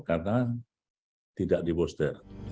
karena tidak diboster